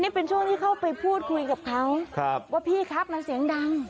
เป็นช่วงที่เข้าไปพูดคุยกับเขาว่าพี่ครับมันเสียงดัง